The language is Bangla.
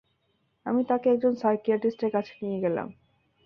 আমি তাকে একজন সাইকিয়াটিস্টের কাছে নিয়ে গেলাম।